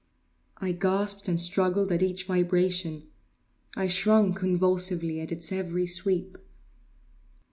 I gasped and struggled at each vibration. I shrunk convulsively at its every sweep.